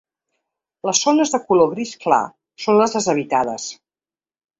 Les zones de color gris clar són les deshabitades.